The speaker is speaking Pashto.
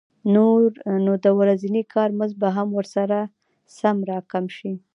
نو د ورځني کار مزد به هم ورسره سم راکم شي